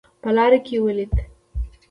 په لاره کې ولیدل.